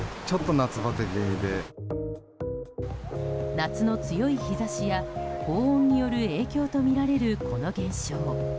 夏の強い日差しや高温による影響とみられる、この現象。